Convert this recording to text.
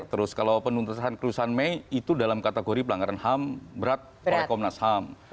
terus kalau penuntasan kelulusan mei itu dalam kategori pelanggaran ham berat oleh komnas ham